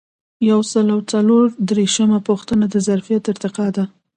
یو سل او څلور دیرشمه پوښتنه د ظرفیت ارتقا ده.